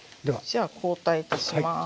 じゃあ交代いたします。